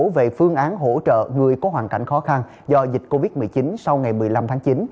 về phương án hỗ trợ người có hoàn cảnh khó khăn do dịch covid một mươi chín sau ngày một mươi năm tháng chín